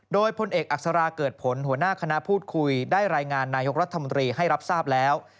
โดยพลเอกอักษราเกิดผลหัวหน้าคณะพูดคุยได้รายงานนายกรัฐมนตรีให้รับทราบแล้ว